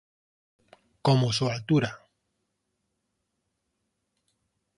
como su altura